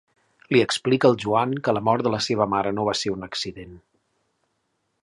Li explica al Joan que la mort de la seva mare no va ser un accident.